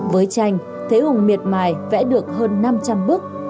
với tranh thế hùng miệt mài vẽ được hơn năm trăm linh bức